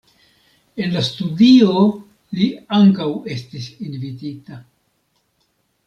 En la studio li ankaŭ estis invitita.